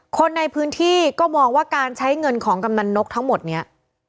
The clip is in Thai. คนในพื้นที่ก็มองว่าการใช้เงินของกำนันนกทั้งหมดเนี่ย